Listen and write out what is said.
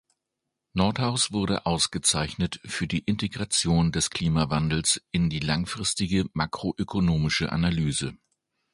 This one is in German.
Nordhaus wurde ausgezeichnet für die "Integration des Klimawandels in die langfristige makroökonomische Analyse".